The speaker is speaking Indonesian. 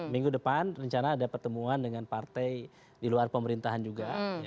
minggu depan rencana ada pertemuan dengan partai di luar pemerintahan juga